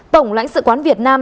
tổng lãnh sự quán việt nam